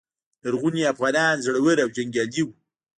لرغوني افغانان زړور او جنګیالي وو